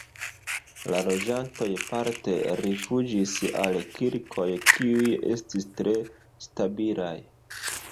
La loĝantoj parte rifuĝis al kirkoj, kiuj estis tre stabilaj.